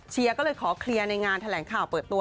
ก็เลยขอเคลียร์ในงานแถลงข่าวเปิดตัว